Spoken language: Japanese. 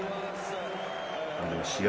試合